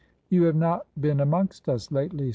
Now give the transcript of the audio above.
"You have not been amongst us lately?"